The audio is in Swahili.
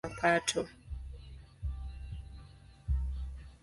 Chanzo cha maandishi kilikuwa katika kutunza kumbukumbu ya kodi na mapato.